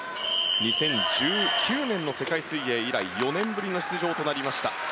２０１９年の世界水泳以来４年ぶりの出場となりました。